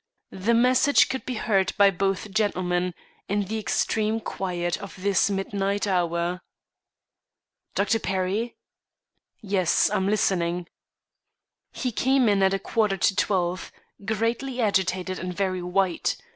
The message could be heard by both gentlemen, in the extreme quiet of this midnight hour. "Dr. Perry?" "Yes, I'm listening." "He came in at a quarter to twelve, greatly agitated and very white.